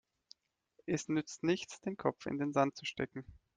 Es nützt nichts, den Kopf in den Sand zu stecken.